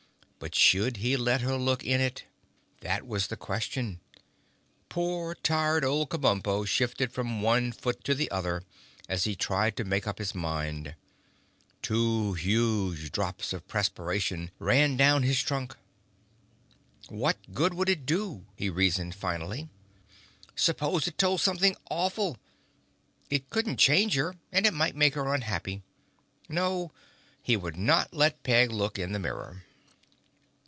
But should he let her look in it? That was the question. Poor, tired old Kabumpo shifted from one foot to the other as he tried to make up his mind. Two huge drops of perspiration ran down his trunk. What good would it do? he reasoned finally. Suppose it told something awful! It couldn't change her and it might make her unhappy. No, he would not let Peg look in the mirror.